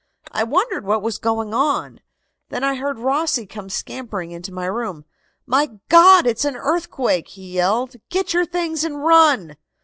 I wondered what was going on. Then I heard Rossi come scampering into my room. 'My God, it's an earthquake!' he yelled. 'Get your things and run!